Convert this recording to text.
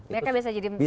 mereka bisa jadi jembatan